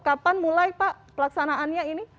kapan mulai pak pelaksanaannya ini